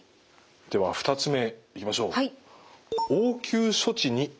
では２つ目いきましょう。